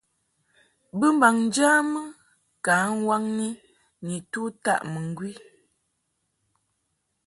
Bɨmbaŋ njamɨ ka nwaŋni nitu taʼ mɨŋgwi.